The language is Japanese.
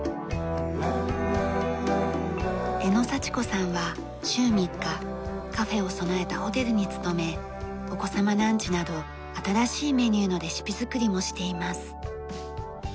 江野佐智子さんは週３日カフェを備えたホテルに勤めお子様ランチなど新しいメニューのレシピ作りもしています。